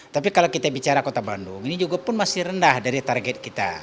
tapi kalau kita bicara kota bandung ini juga pun masih rendah dari target kita